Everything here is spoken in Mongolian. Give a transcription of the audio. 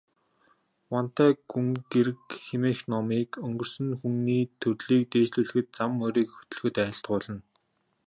Вантай гүнгэрэг хэмээх номыг өнгөрсөн хүний төрлийг дээшлүүлэхэд, зам мөрийг нь хөтлөхөд айлтгуулна.